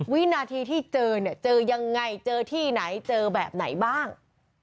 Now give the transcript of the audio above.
วินาทีที่เจอเนี่ยเจอยังไงเจอที่ไหนเจอแบบไหนบ้าง